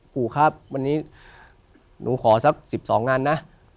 ปู่ครับวันนี้หนูขอสัก๑๒งานนะ